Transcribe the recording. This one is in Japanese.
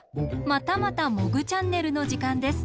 またまた「モグチャンネル」のじかんです。